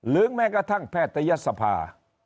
ลื้องแม้กระทั่งแพทยศภา